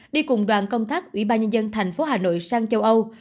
đi cùng đoàn công tác ủy ban nhân dân thành phố hà nội sang châu âu